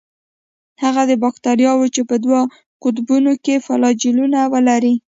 هغه باکتریاوې چې په دوو قطبونو کې فلاجیلونه ولري.